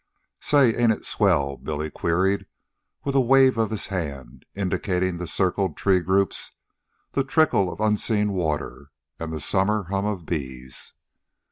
"Say, ain't it swell?" Billy queried, with a wave of his hand indicating the circled tree groups, the trickle of unseen water, and the summer hum of bees.